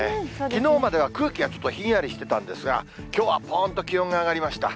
きのうまでは空気がちょっとひんやりしてたんですが、きょうはぽーんと気温が上がりました。